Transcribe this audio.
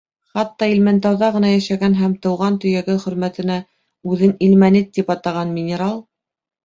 Хатта Илмәнтауҙа ғына йәшәгән һәм тыуған төйәге хөрмәтенә үҙен Ил-мәнит тип атаған минерал: